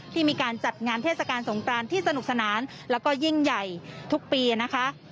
ที่มีการจัดงานเทศกาลสงกรานที่สนุกสนานแล้วก็ยิ่งใหญ่ทุกปีนะคะ